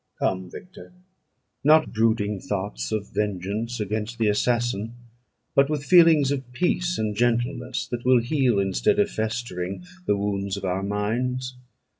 "Come, Victor; not brooding thoughts of vengeance against the assassin, but with feelings of peace and gentleness, that will heal, instead of festering, the wounds of our minds.